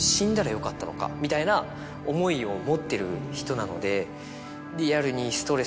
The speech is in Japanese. みたいな思いを持ってる人なので。